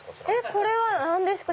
これは何ですか？